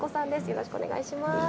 よろしくお願いします。